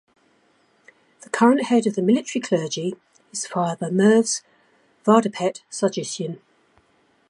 The current head of the military clergy is Father Movses Vardapet Sargsyan.